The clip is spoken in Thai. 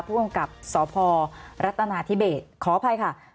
ผู้กำกับสพรัฐนาธิเบสขออภัยค่ะ